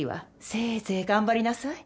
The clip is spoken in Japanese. せいぜい頑張りなさい。